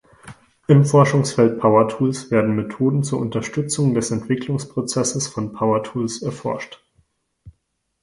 Im Forschungsfeld Power-Tools werden Methoden zur Unterstützung des Entwicklungsprozesses von Power-Tools erforscht.